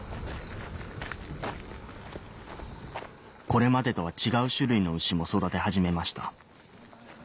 これまでとは違う種類の牛も育て始めました